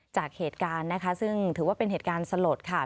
จากเหตุการณ์นะคะซึ่งถือว่าเป็นเหตุการณ์สลดค่ะ